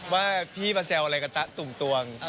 ว่าพี่มาแซวอะไรกับตะตุ่มตวง